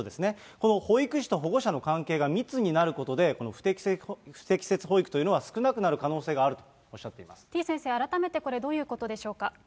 この保育士と保護者の関係が密になることで、不適切保育というのは少なくなる可能性があるとおっしゃっていまてぃ先生、改めてこれ、どういうことでしょうか。